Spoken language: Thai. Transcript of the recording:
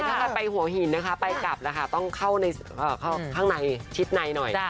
ถ้าไปหัวหินนะคะไปกลับแล้วค่ะต้องเข้าข้างในชิดในหน่อย